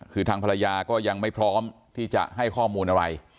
คือทางภรรยาก็ยังไม่พร้อมที่จะให้ข้อมูลอะไร